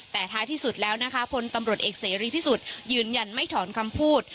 แต่ท้ายที่สุดแล้วนะคะพลตำรวจเอกเสรีพิสุทธิ์ยืนยันไม่ถอนคำพูด